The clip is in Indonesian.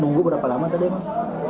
nunggu berapa lama tadi emang